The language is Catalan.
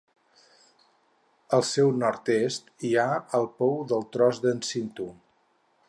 Al seu nord-est hi ha el Pou del Tros del Cinto.